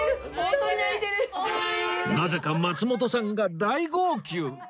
なぜか松本さんが大号泣！